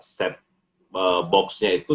set boxnya itu